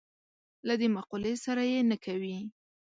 له دې مقولې سره یې نه کوي.